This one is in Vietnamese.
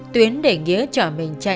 tuyến để nghĩa chở mình chạy